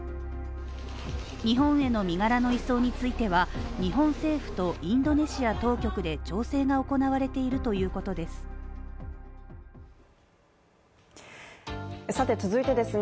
日本への身柄の移送については日本政府とインドネシア当局で調整が行われているということです。